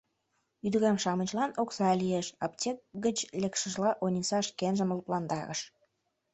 Ӱдырем-шамычлан окса лиеш», — аптек гыч лекшыжла, Ониса шкенжым лыпландарыш.